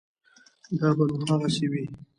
دا به نو هغسې وي.